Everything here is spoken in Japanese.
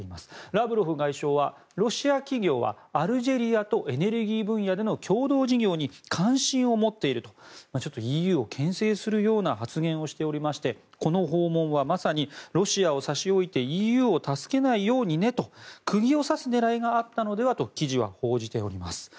ラブロフ外相はロシア企業はアルジェリアとエネルギー分野での共同事業に関心を持っているとＥＵをけん制するような発言をしていましてこの訪問は、まさにロシアを差し置いてＥＵを助けないようにねと釘を刺す狙いがあったのではと記事は報じております。